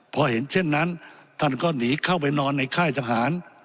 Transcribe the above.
พอเห็นเช่นนั้นท่านก็หนีเข้าไปนอนในค่ายทหาร